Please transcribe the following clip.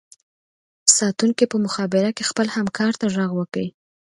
ساتونکي په مخابره خپل همکار ته غږ وکړو